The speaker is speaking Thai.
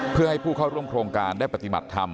เพื่อให้ผู้เข้าร่วมโครงการได้ปฏิบัติธรรม